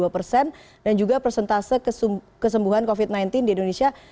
dua puluh dua persen dan juga persentase kesembuhan covid sembilan belas di indonesia